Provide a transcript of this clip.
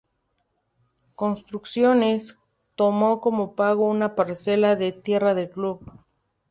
Construcciones tomó como pago una parcela de tierra del club.